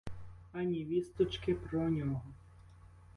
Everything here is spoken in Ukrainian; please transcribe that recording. Ані вісточки про нього!